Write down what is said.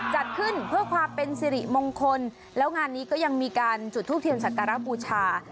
จัดขึ้นเพื่อความเป็นสิริมงคลแล้วงานนี้ก็ยังมีการจุดทูปเทียนศักระบูชา